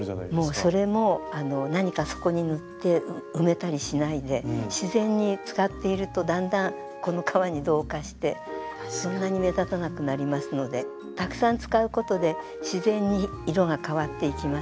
もうそれも何かそこに塗って埋めたりしないで自然に使っているとだんだんこの革に同化してそんなに目立たなくなりますのでたくさん使うことで自然に色が変わっていきますから。